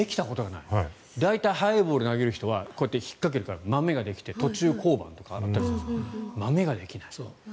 大体、速いボールを投げる人は引っ掛けるからまめができて途中降板だったりするんですがまめができない。